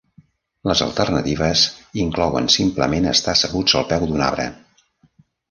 Les alternatives inclouen simplement estar asseguts al peu d'un arbre.